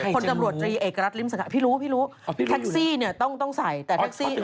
คนตำรวจในเอกรัฐริมศาลพี่รู้แท็กซี่เนี่ยต้องใส่แต่แท็กซี่อ้าว